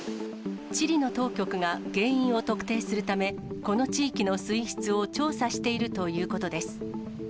チリの当局が原因を特定するため、この地域の水質を調査しているということです。